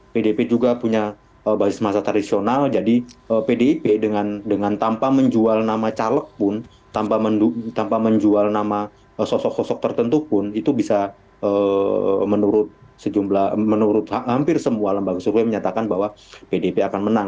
pdip juga punya basis masa tradisional jadi pdip dengan tanpa menjual nama caleg pun tanpa menjual nama sosok sosok tertentu pun itu bisa menurut hampir semua lembaga survei menyatakan bahwa pdip akan menang